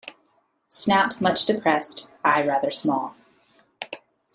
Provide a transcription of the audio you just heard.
Snout much depressed; eye rather small.